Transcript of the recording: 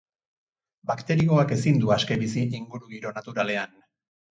Bakterioak ezin du aske bizi ingurugiro naturalean.